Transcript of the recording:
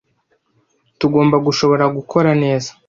Tugomba gushobora gukora neza.